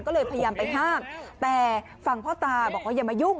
ก็เลยพยายามไปห้ามแต่ฝั่งพ่อตาบอกว่าอย่ามายุ่ง